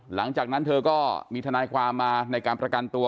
หลังจากนั้นเธอก็มีทนายความมาในการประกันตัว